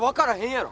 やろ